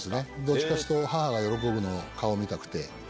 どっちかっつうと母が喜ぶ顔見たくて。